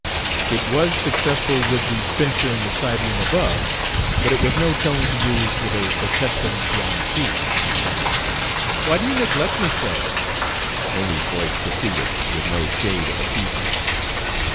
It was successful with the spinster in the side room above, but it was no tone to use with a protesting fiancee. "Why do you neglect me so?" Amy's voice proceeded, with no shade of appeasement.